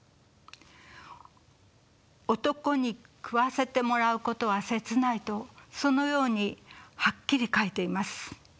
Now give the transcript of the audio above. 「男に食わせてもらうことは切ない」とそのようにはっきり書いています。